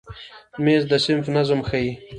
مېز د صنف نظم ښیي.